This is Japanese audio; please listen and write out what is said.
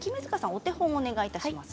お手本をお願いします。